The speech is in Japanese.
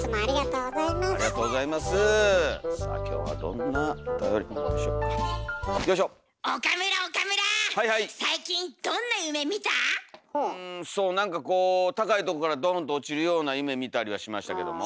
うんなんかこう高いとこからドーンと落ちるような夢見たりはしましたけども。